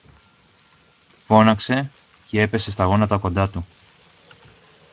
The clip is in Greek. φώναξε, κι έπεσε στα γόνατα κοντά του.